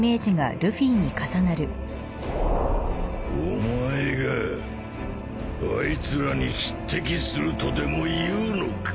お前があいつらに匹敵するとでもいうのか